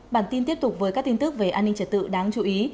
bản tin tiếp tục với các tin tức về an ninh trật tự đáng chú ý